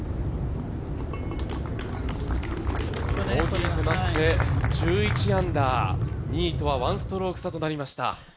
ボギーとなって１１アンダー２位とは１ストローク差となりました。